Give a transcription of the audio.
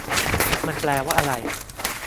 มันแปลว่าอะไร